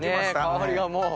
香りがもう！